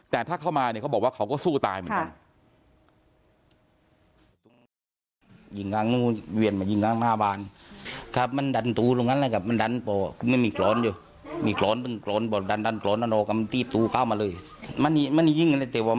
แต่ถ้าเข้ามาเนี่ยเขาบอกว่าเขาก็สู้ตายเหมือนกัน